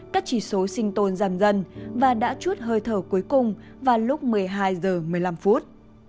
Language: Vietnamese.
các chỉ số sinh tồn giảm dần và đã chút hơi thở cuối cùng vào lúc một mươi hai h một mươi năm phút